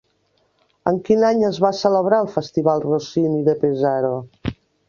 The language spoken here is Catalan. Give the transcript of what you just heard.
En quin any es va celebrar el Festival Rossini de Pesaro?